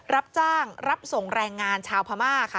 รับจ้างรับส่งแรงงานชาวพม่าค่ะ